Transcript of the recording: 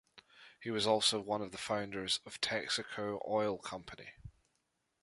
He was also one of the founders of Texaco Oil Company.